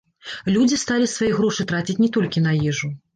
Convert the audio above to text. Людзі сталі свае грошы траціць не толькі на ежу.